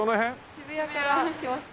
渋谷から来ました。